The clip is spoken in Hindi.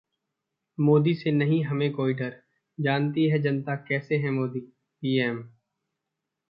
मोदी से नहीं हमें कोई डर, जानती है जनता कैसे हैं मोदीः पीएम